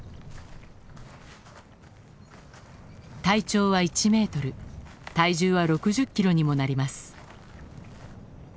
体長は１メートル体重は６０キロにもなります。